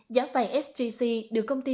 giá vàng sgc được công ty